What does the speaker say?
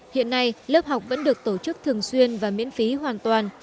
hiện nay lớp học vẫn được tổ chức thường xuyên và miễn phí hoàn toàn